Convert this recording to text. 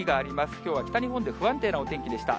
きょうは北日本で不安定なお天気でした。